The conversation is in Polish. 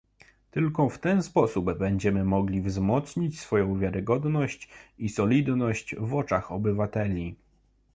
Tylko w ten sposób będziemy mogli wzmocnić swoją wiarygodność i solidność w oczach obywateli